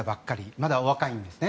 まだお若いんですね。